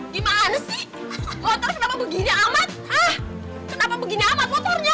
gimana sih motor kenapa begini amat ah kenapa begini amat motornya